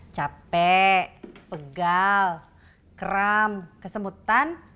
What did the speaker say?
capek pegal keram kesemutan